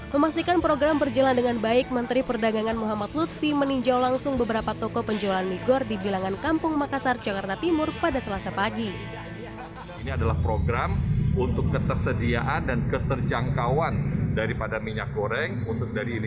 memangkan kepentingan minyak goreng kementerian perdagangan dan kementerian bumn meluncurkan program migo rakyat hari ini